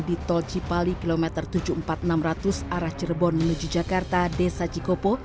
di tol cipali kilometer tujuh puluh empat enam ratus arah cirebon menuju jakarta desa cikopo